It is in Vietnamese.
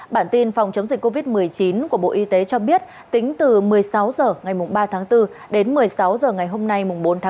bản tin phòng chống dịch covid một mươi chín của bộ y tế cho biết tính từ một mươi sáu h ngày ba tháng bốn đến một mươi sáu h ngày hôm nay bốn tháng bốn